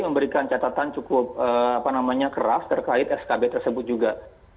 memberikan catatan cukup keras terkait skb tersebut juga